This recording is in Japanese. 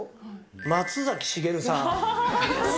松崎しげるさん。